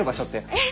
えっ？